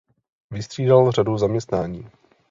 Vystřídal řadu zaměstnání.